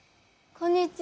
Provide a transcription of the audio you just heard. こんにちは。